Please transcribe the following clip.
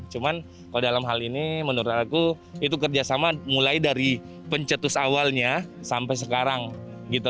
cuman kalau dalam hal ini menurut aku itu kerjasama mulai dari pencetus awalnya sampai sekarang gitu